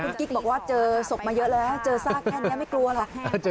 คุณกิ๊กบอกว่าเจอศพมาเยอะแล้วเจอซากแค่นี้ไม่กลัวหรอก